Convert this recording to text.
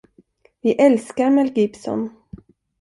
Vi älskar Mel Gibson.